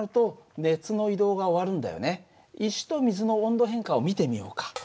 石と水の温度変化を見てみようか。